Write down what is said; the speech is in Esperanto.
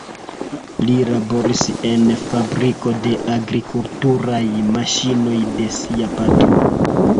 Li laboris en fabriko de agrikulturaj maŝinoj de sia patro.